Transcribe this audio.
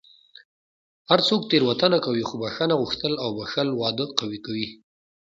هر څوک تېروتنه کوي، خو بښنه غوښتل او بښل واده قوي کوي.